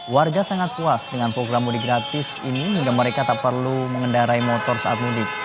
warga sangat puas dengan program mudik gratis ini hingga mereka tak perlu mengendarai motor saat mudik